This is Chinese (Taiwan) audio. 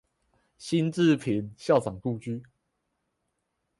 辛志平校長故居